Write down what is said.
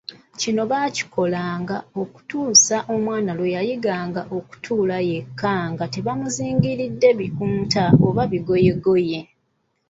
Kino baakikolanga okutuusa omwana lwe yayiganga okutuula yekka nga tebamuzingiridde bikunta oba ebigoyegoye.